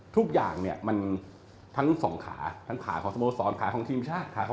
ทุกอย่างมันทั้งสองขา